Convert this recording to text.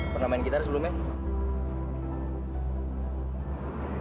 pernah main gitar sebelumnya